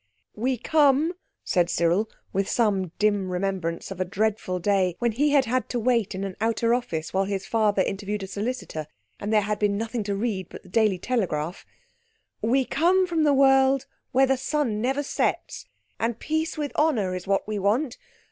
"We come," said Cyril, with some dim remembrance of a dreadful day when he had had to wait in an outer office while his father interviewed a solicitor, and there had been nothing to read but the Daily Telegraph—"we come from the world where the sun never sets. And peace with honour is what we want.